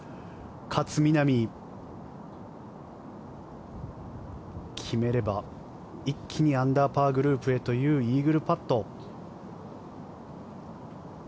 勝みなみ、決めれば一気にアンダーパーグループへというイーグルパット。